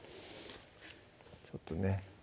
ちょっとね